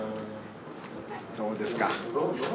どうですか。